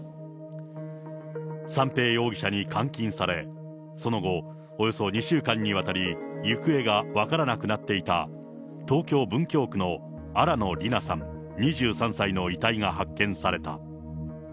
三瓶容疑者に監禁され、その後、およそ２週間にわたり行方が分からなくなっていた、東京・文京区の新野りなさん２３歳の遺体が発見された。